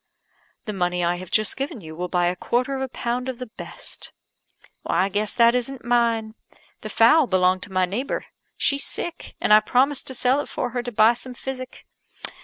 "The money I have just given you will buy a quarter of a pound of the best." "I guess that isn't mine. The fowl belonged to my neighbour. She's sick; and I promised to sell it for her to buy some physic.